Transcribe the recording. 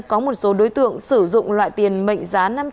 có một số đối tượng sử dụng loại tiền mệnh giảm